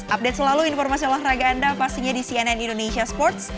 update selalu informasi olahraga anda pastinya di cnn indonesia sports